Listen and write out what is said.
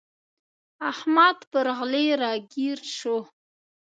احمد پر علي را ږيز شو.